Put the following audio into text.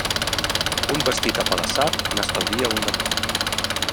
Un vestit apedaçat n'estalvia un de nou.